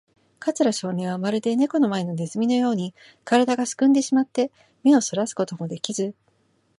桂少年は、まるでネコの前のネズミのように、からだがすくんでしまって、目をそらすこともできず、